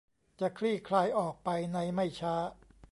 จะคลี่คลายออกไปในไม่ช้า